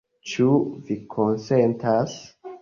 Ĉu vi konsentas?